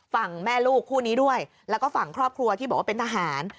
ฝั่งแม่ลูกคู่นี้ด้วยแล้วก็ฝั่งครอบครัวที่บอกว่าเป็นทหาร